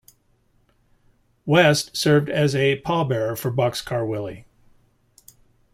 West served as a pallbearer for Boxcar Willie.